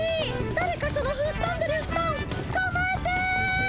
だれかそのふっとんでるフトンつかまえて！